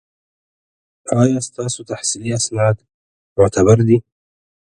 ایا ستاسو تحصیلي اسناد معتبر دي؟